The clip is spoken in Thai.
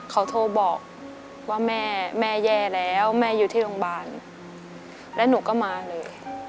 เขาโทรบอกว่าแม่แม่แย่แล้วแม่อยู่ที่โรงพยาบาลแล้วหนูก็มาเลย